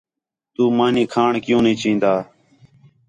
تُو مانی کھاݨ کیوں نھیں چین٘دا